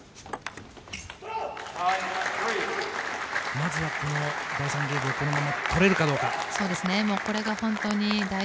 まずは第３ゲームを取れるかどうか。